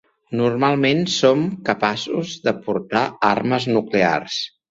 Normalment són capaços de portar armes nuclears.